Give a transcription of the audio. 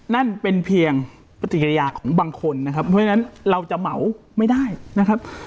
นั่นเป็นเพียงปฏิกิริยาของบางคนนะครับเพราะฉะนั้นเราจะเหมาไม่ได้นะครับ